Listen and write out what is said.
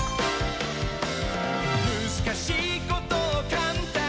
「むずかしいことをかんたんに」